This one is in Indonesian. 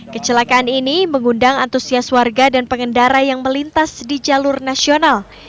kecelakaan ini mengundang antusias warga dan pengendara yang melintas di jalur nasional